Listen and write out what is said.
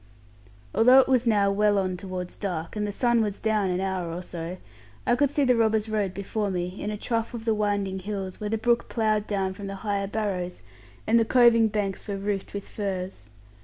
Although it was now well on towards dark, and the sun was down an hour or so, I could see the robbers' road before me, in a trough of the winding hills, where the brook ploughed down from the higher barrows, and the coving banks were roofed with furze.